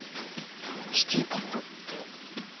シティ・ポップ。